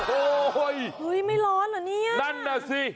โอ้โหยไม่ร้อนเหรอเนี่ย